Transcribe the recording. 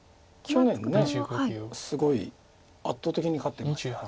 去年すごい圧倒的に勝ってましたから。